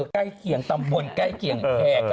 ใกล้เคียงตำบลใกล้เคียงแขก